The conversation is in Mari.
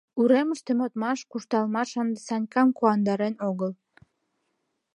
Уремыште модмаш, куржталмаш ынде Санькам куандарен огыл.